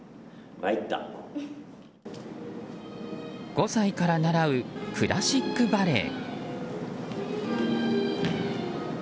５歳から習うクラシックバレエ。